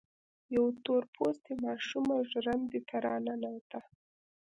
يوه تور پوستې ماشومه ژرندې ته را ننوته.